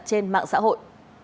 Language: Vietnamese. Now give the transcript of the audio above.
trên mạng xã hội